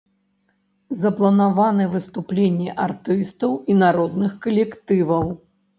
Запланаваны выступленні артыстаў і народных калектываў.